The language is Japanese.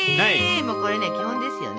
もうこれね基本ですよね。